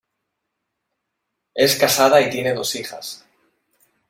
Es casada y tiene dos hijas.